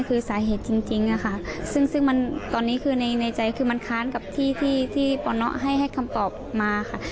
คือสาเหตุจริงอะค่ะซึ่งซึ่งมันตอนนี้คือในใจคือมันค้านกับที่ที่ปนให้ให้คำตอบมาค่ะ